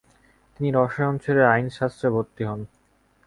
তিনি রসায়ন ছেড়ে আইন শাস্ত্রে ভর্তি হন।